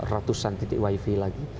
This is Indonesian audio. ratusan titik wifi lagi